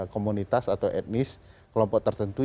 komunitas atau etnis kelompok tertentu